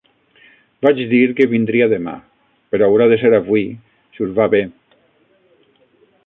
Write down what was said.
Vaig dir que vindria demà però haurà de ser avui, si us va bé.